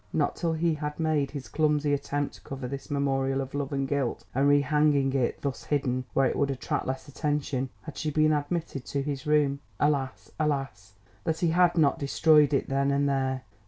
Not till he had made his clumsy attempt to cover this memorial of love and guilt and rehanging it, thus hidden, where it would attract less attention, had she been admitted to his room. Alas! alas! that he had not destroyed it then and there.